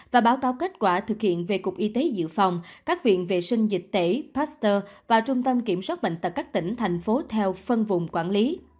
và báo cáo kết quả thực hiện về cục y tế dự phòng các viện vệ sinh dịch tễ pasteur và trung tâm kiểm soát bệnh tật các tỉnh thành phố theo phân vùng quản lý